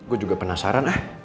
gue juga penasaran